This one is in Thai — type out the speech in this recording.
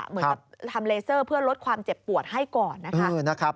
เหมือนกับทำเลเซอร์เพื่อลดความเจ็บปวดให้ก่อนนะคะ